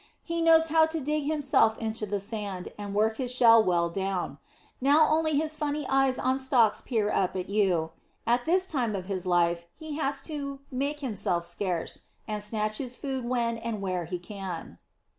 He knows how to dig himself into the sand, and work his shell well down. Then only his funny eyes on stalks peer up at you. At this time of his life he has to "make himself scarce," and snatch his food when and where he can. [Illustration: PURSE CRAB.